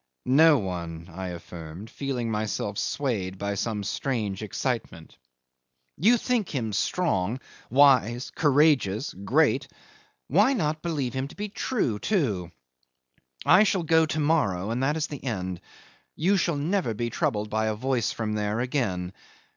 "No one," I affirmed, feeling myself swayed by some strange excitement. "You think him strong, wise, courageous, great why not believe him to be true too? I shall go to morrow and that is the end. You shall never be troubled by a voice from there again.